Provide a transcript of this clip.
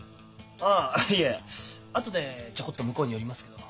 ああいえ後でちょこっと向こうに寄りますけど。